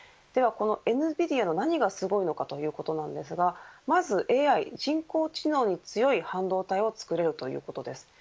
このエヌビディアの何がすごいのかということなんですがまずＡＩ人工知能に強い半導体を作れるということです。